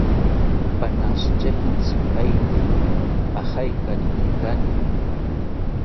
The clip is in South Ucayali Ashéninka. Panashitya intzipaete agaikari inkani